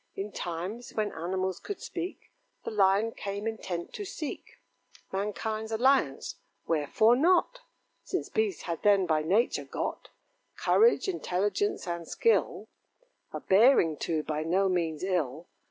In times when animals could speak, The Lion came intent to seek Mankind's alliance wherefore not? Since beasts had then by nature got Courage, intelligence, and skill; A bearing, too, by no means ill.